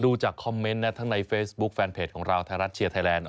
จากคอมเมนต์นะทั้งในเฟซบุ๊คแฟนเพจของเราไทยรัฐเชียร์ไทยแลนด